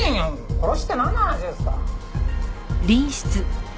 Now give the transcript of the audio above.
「殺しってなんの話ですか？」